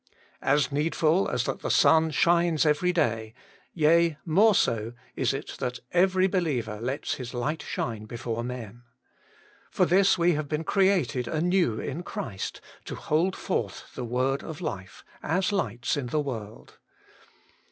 — As needful as that the sun shines every day, yea, more so, is it that every believer lets his light shine before men. For this we have been created anew in Christ, to hold forth the Word of Life, as lights in the world.